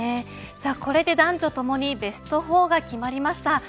これで男女ともにベスト４が決まりました。